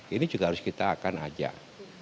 ini juga harus kita akan ajak